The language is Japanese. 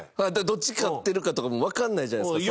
どっち勝ってるかとかもわからないじゃないですか。